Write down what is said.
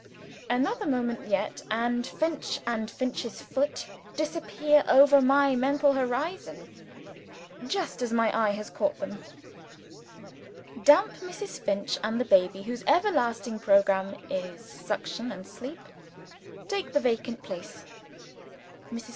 Another moment yet, and Finch and Finch's Foot disappear over my mental horizon just as my eye has caught them. Damp Mrs. Finch, and the baby whose everlasting programme is suction and sleep, take the vacant place. Mrs.